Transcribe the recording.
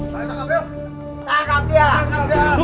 masukungkin apa ini rian